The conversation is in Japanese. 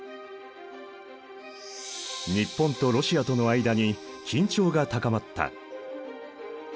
日本とロシアとの間に緊張が高まった。